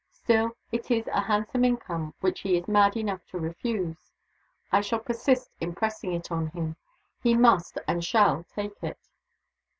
Still, it is a handsome income which he is mad enough to refuse. I shall persist in pressing it on him. He must and shall take it."